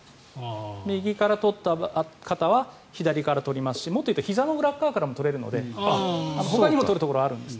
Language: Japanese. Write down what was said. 右から取った人は左から取りますしもっというとひざの裏からも取れるので、ほかにも取るところあるんです。